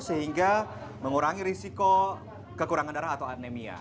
sehingga mengurangi risiko kekurangan darah atau anemia